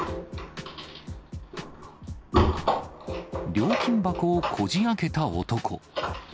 料金箱をこじあけた男。